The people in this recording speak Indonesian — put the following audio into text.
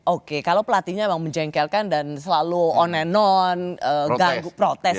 oke kalau pelatihnya memang menjengkelkan dan selalu online non ganggu protes